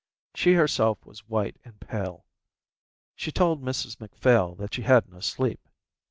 She herself was white and pale. She told Mrs Macphail that she had no sleep.